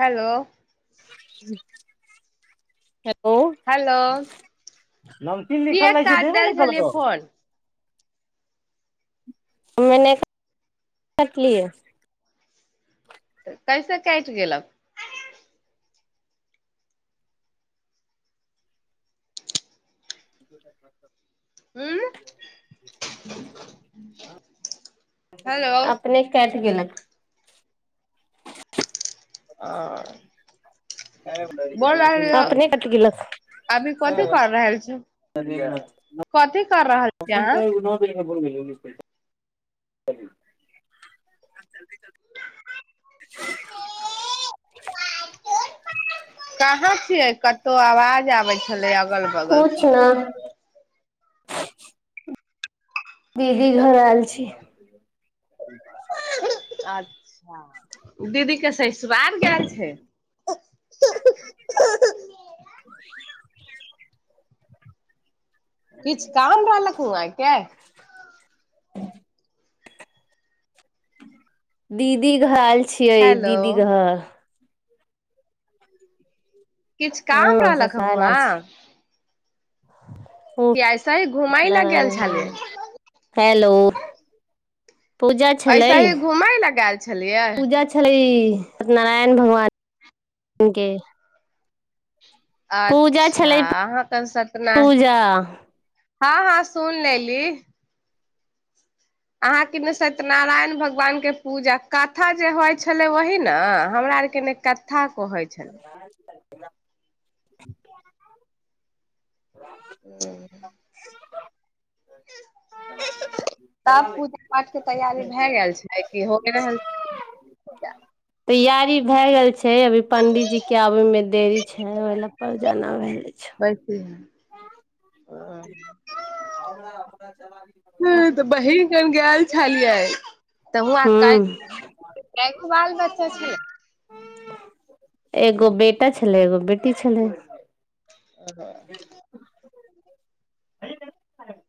Hello. ह। ओ hello नमकीन किए लिखल रहै छै काट देबे देल ने छलियै केलको। फोन मने कटलि। तऽ कैसा काटि गेल। [inaudible] हूॅं। अपने कटि गेलक। आ। अपने कैट गैलक। अभी कथी त। कर रहल छी कथी कर रहल। छी अपने अहाँ क उना बर गेल। [unintelligible] कहाँ छियै कतहु, आवाज आबे छलै, अगल बगल स। [unintelligible] दीदी घर ऐल छी [unintelligible] अच्छा दीदी के सेसुराल गेल छै। [unintelligible] किछ काम रहलक हूआके दीदी घर ऐल छियै हेलो दीदी घर किछ काम हँ रहलक ह ससुराल हुवा आयल छी की ऐसे ही घूमै लऽ सत्यनारायण गेल छलियै भगवान के हेलो पूजा छेलै ऐसे ही घूमय लए गेल छलियै पूजा छ छलै सतनारायण भगवान के पूजा अच्छा छलै अहाँ कन सतना पूजा हँ हँ सुन लेली अहाँके ने सत्यनारायण भगवान के पूजा कथा जे होय छलै वही ने हमरा आरके ने कथा कहै छैल [inaudible] [unintelligible] [unintelligible] तब पूजा पाठ के तैयारी भए गेल छै कि हो रहल तैयारी भए गेल छै अभी पंडीजी क आब ओमे देरी छै ओहि ल पर जाना भएै छै पैस [unintelligible] हमरा [unintelligible] चलबी हम्म त बहीन गांव गैल छलियै तऽ हु क हूँ कैगो बाल बच्चा छैय। एगो बेटा छलै एगो बेटी छलै अहा [unintelligible]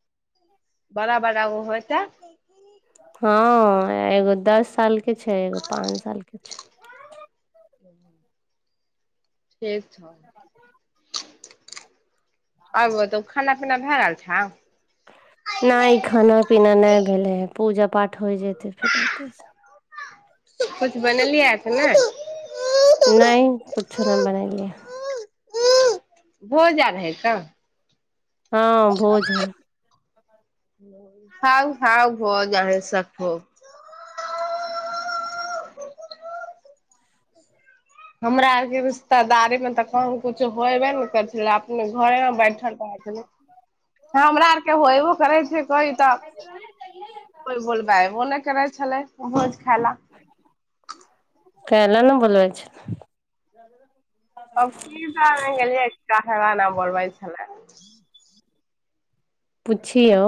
बरा-बरा ओ होय तऽ हँऽ एगो दस साल के छै एगो पान साल के छै [unintelligible] ठीक छो आर बताऊ खाना-पीना भए गैल छऊ। नहि खाना-पीना नै भेले हे पूजा-पाठ होय जते फेर होते सब कुछ बनेलियिये कि न नहि कुछो नहि बने लियै भोज आर है तऽ हँ भोज हय खाउ-खाउ भोज अहि सब खूब हमरा आरके रिश्तेदारी मे तऽ कह कुछु होयबे नु करै छल अपने घरेमे बैठल में रहै छैल हमरा आर होएबो करै छै कोइ तऽ कोइ बोलबैहो नहि करै छलै भोज खाय ला कइले ने बोलबय छै [inaudible] अब की जाने गेलियै काहे ले नय बोलबै छलै। पुछीयो।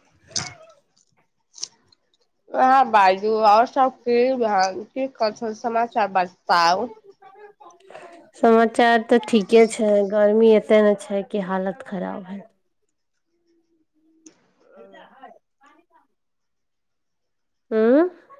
[inaudible] हहाँ बाजू आओर सब की कनन समाचार बताताउ [inaudible] समाचार तऽ ठीके छै गर्मी एते ने छै के हालत खराब है। अल आ [unintelligible] हूँ।